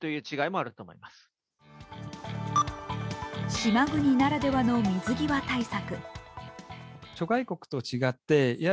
島国ならではの水際対策。